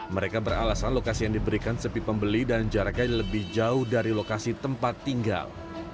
mereka beralasan lokasi yang diberikan sepi pembeli dan jaraknya lebih jauh dari lokasi tempat tinggal